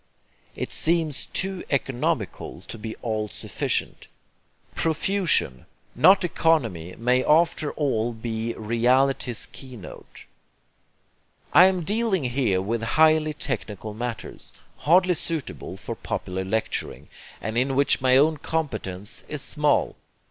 It seems too economical to be all sufficient. Profusion, not economy, may after all be reality's key note. I am dealing here with highly technical matters, hardly suitable for popular lecturing, and in which my own competence is small.